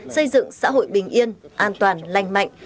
xây dựng xã hội bình yên an toàn lành mạnh